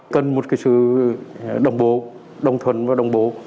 cần một cái sự đồng bộ đồng thuần và đồng bộ